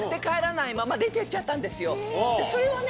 それはね